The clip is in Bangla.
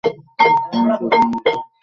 কারণ শেখানোর মতো কিছু নেই আর।